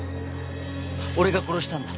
俺が殺したんだ。